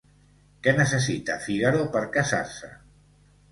Què necessita Fígaro per casar-se?